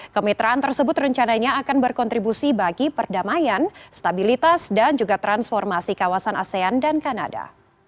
kemitraan tersebut rencananya akan berkontribusi bagi perdamaian stabilitas dan juga transformasi kawasan asean dan kanada